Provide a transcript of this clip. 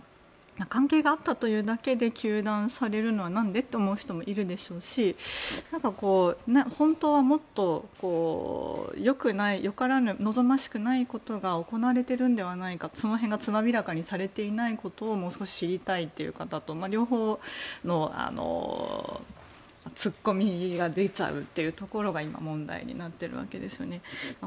関係があったというだけで糾弾されるのはなんで？って思う人もいるでしょうし本当はもっとよからぬ望ましくないことが行われているのではないかその辺がつまびらかにされていないことをもう少し知りたいという方と両方の突っ込みが出ちゃうというところが今、問題になってるわけですよね。